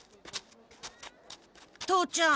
父ちゃん。